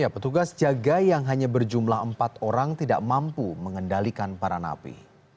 petugas jaga yang hanya berjumlah empat orang tidak mampu mengendalikan para napi